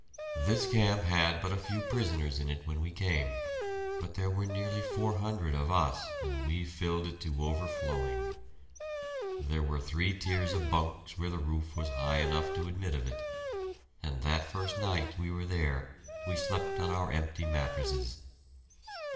This camp had but a few prisoners in it when we came, but there were nearly four hundred of us, and we filled it to overflowing. There were three tiers of bunks where the roof was high enough to admit of it, and that first night we were there we slept on our empty mattresses.